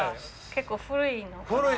結構古いのかな？